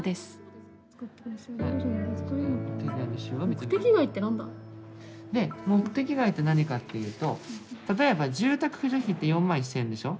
目的外って何かっていうと例えば住宅扶助費って４万１，０００円でしょ。